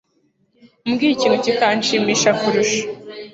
umbwiye ikintu kikanshimisha kurusha